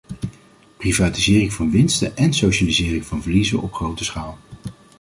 Privatisering van winsten en socialisering van verliezen op grote schaal...